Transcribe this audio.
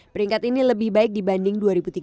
peringkat ini lebih baik dibanding dua ribu tiga belas